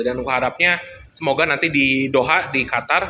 dan kuharapnya semoga nanti di doha di qatar